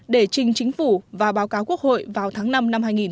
để trình chính phủ và báo cáo quốc hội vào tháng năm năm hai nghìn hai mươi